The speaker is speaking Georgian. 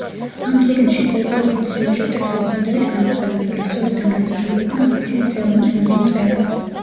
ამ წიგნში ფოლკლორული სიუჟეტები უხვად არის გამოყენებული, სწორედ ამ ნაწარმოებმა აქცია სელმა ცნობილ მწერლად.